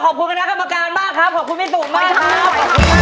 ขอบคุณคำการมากครับขอบคุณมิตุมากครับ